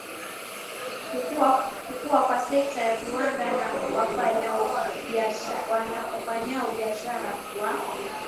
kukua kwa sekta ya viwanda na wafanyabiashara wa